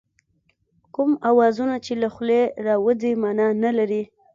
کوم اوازونه چې له خولې راوځي مانا لري